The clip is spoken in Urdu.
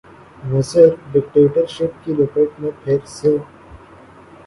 مصر ڈکٹیٹرشپ کی لپیٹ میں پھر سے ہے۔